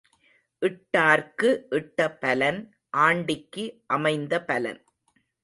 இட்டார்க்கு இட்ட பலன் ஆண்டிக்கு அமைந்த பலன்.